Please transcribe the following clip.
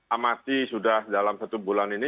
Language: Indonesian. amati sudah dalam satu bulan ini